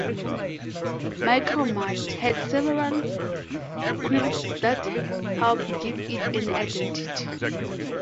"Micro Mart" had several quirks that help give it an identity.